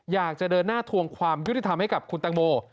อยากจะเดินหน้าทวงความยุติธรรมให้กับคุณตังโม